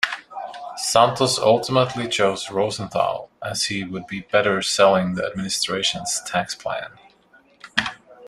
Santos ultimately chose Rosenthal, as he would be better selling the administration's tax plan.